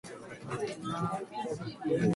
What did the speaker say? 地球温暖化